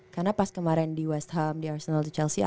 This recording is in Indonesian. karena pas kemarin di west ham di arsenal di chelsea